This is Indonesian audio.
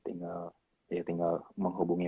tinggal ya tinggal menghubungi